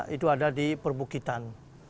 itu ada di perbukitan